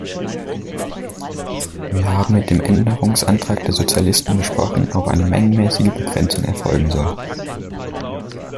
Wir haben mit dem Änderungsantrag der Sozialisten besprochen, ob eine mengenmäßige Begrenzung erfolgen soll.